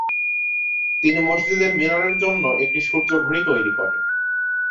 তিনি মসজিদের মিনারের জন্য একটি সূর্যঘড়ি তৈরি করেন।